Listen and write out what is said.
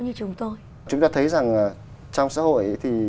như chúng tôi